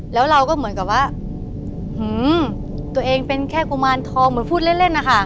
แล้วเราก็เหมือนกับว่าตัวเองเป็นแค่กุมารทองเหมือนพูดเล่นนะคะ